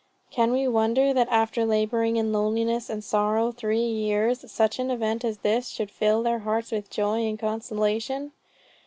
Can we wonder that after laboring in loneliness and sorrow three years, such an event as this should fill their hearts with joy and consolation?